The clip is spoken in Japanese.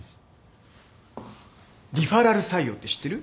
リファラル採用って知ってる？